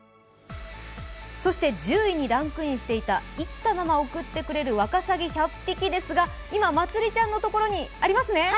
そして１０位にランクインしていた生きたまま送ってくれるワカサギ１００匹ですが今、まつりちゃんのところにありますね。